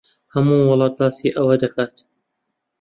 ھەموو وڵات باسی ئەوە دەکات.